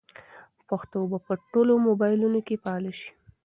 پښتو به په ټولو موبایلونو کې فعاله شي.